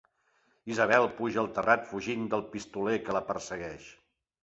Isabel puja al terrat fugint del pistoler que la persegueix.